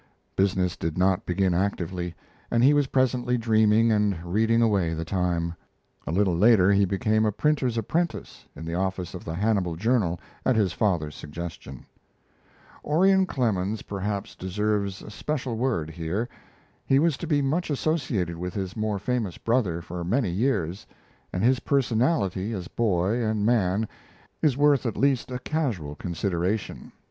Business did not begin actively, and he was presently dreaming and reading away the time. A little later he became a printer's apprentice, in the office of the Hannibal Journal, at his father's suggestion. Orion Clemens perhaps deserves a special word here. He was to be much associated with his more famous brother for many years, and his personality as boy and man is worth at least a casual consideration.